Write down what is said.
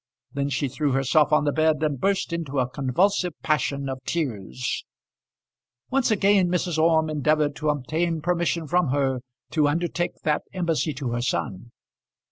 Then she threw herself on the bed, and burst into a convulsive passion of tears. Once again Mrs. Orme endeavoured to obtain permission from her to undertake that embassy to her son.